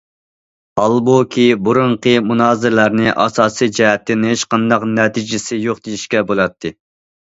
ھالبۇكى بۇرۇنقى مۇنازىرىلەرنى ئاساسىي جەھەتتىن ھېچقانداق نەتىجىسى يوق دېيىشكە بولاتتى.